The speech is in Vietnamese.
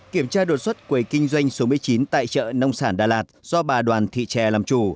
kiểm tra đột xuất quầy kinh doanh số một mươi chín tại chợ nông sản đà lạt do bà đoàn thị trè làm chủ